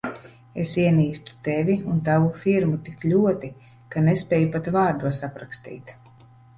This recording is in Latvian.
Es ienīstu Tevi un tavu firmu tik ļoti, ka nespēju pat vārdos aprakstīt.